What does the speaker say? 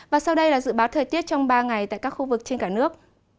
và sau đây là dự báo thời tiết trong ba ngày tại các khu vực trên cả nước